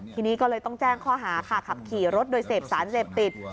ทีนี้ก็เลยต้องแจ้งข้อหาค่ะขับขี่รถโดยเสพสารเสพติด